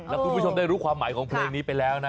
แล้วคุณผู้ชมได้รู้ความหมายของเพลงนี้ไปแล้วนะ